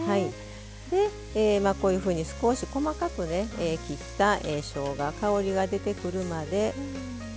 でこういうふうに少し細かく切ったしょうが香りが出てくるまで。